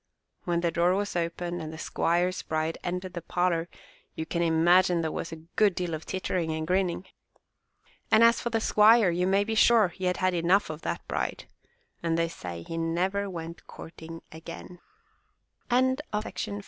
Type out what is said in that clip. When the door was opened and the squire's bride entered the parlor you can imagine there was a good deal of tittering and grinning. And as for the squire you may be sure he had had enough of that bride, and they say he never went courting again. MY BOOK HOUSE THE